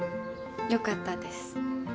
良かったです。